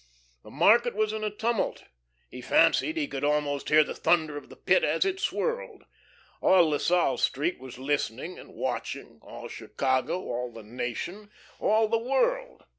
The market was in a tumult. He fancied he could almost hear the thunder of the Pit as it swirled. All La Salle Street was listening and watching, all Chicago, all the nation, all the world.